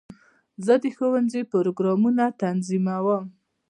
زه د ښوونځي پروګرامونه تنظیموم.